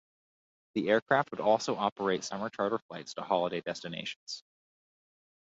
The aircraft would also operate summer charter flights to holiday destinations.